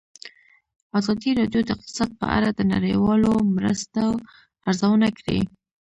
ازادي راډیو د اقتصاد په اړه د نړیوالو مرستو ارزونه کړې.